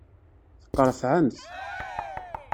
Teqqrefεemt.